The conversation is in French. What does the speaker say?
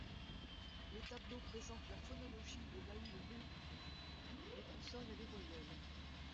Les tableaux présentent la phonologie de l'ayuru, les consonnes et les voyelles.